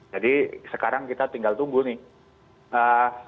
jadi sekarang kita tinggal tunggu nih